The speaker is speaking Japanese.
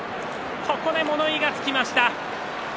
ここで物言いがつきました。